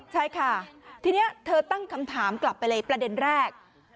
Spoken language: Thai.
ใช่ค่ะทีนี้เธอตั้งคำถามกลับไปเลยประเด็นแรก